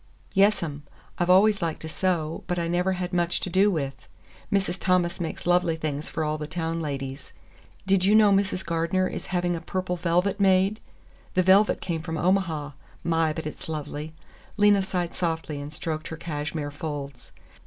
"Yes, 'm. I've always liked to sew, but I never had much to do with. Mrs. Thomas makes lovely things for all the town ladies. Did you know Mrs. Gardener is having a purple velvet made? The velvet came from Omaha. My, but it's lovely!" Lena sighed softly and stroked her cashmere folds.